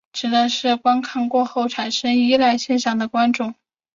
指的是于观看过后产生依赖现象的观众。